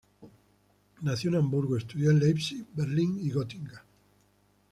Nacido en Hamburgo, estudió en Leipzig, Berlín y Gotinga.